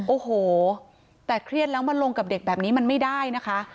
โอ้โหแต่เครียดแล้วมาลงกับเด็กแบบนี้มันไม่ได้นะคะ